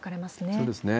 そうですね。